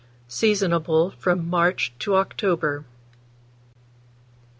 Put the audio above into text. Seasonable from March to October.